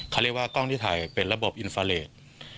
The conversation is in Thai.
เขาเรียกว่ากล้องที่ถ่ายเป็นระบบอินฟาเลส